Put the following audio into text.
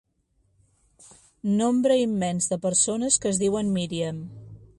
Nombre immens de persones que es diuen Míriam.